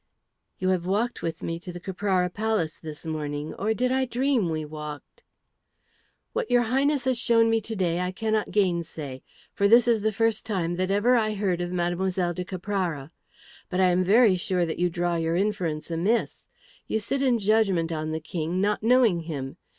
"You have walked with me to the Caprara Palace this morning. Or did I dream we walked?" "What your Highness has shown me to day I cannot gainsay. For this is the first time that ever I heard of Mlle. de Caprara. But I am very sure that you draw your inference amiss. You sit in judgment on the King, not knowing him.